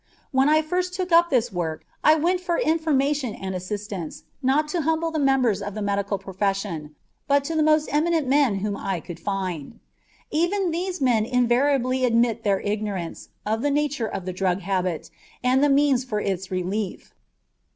When I first took up this work I went for information and assistance not to the humble members of the medical profession, but to the most eminent men whom I could find. Even these men invariably admitted their ignorance of the nature of the drug habit and the means for its relief.